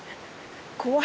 怖い。